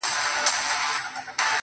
هسي بیا نه راځو، اوس لا خُمار باسه.